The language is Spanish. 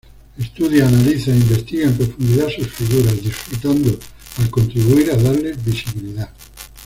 Estudia, analiza e investiga en profundidad sus figuras, disfrutando al contribuir a darles visibilidad.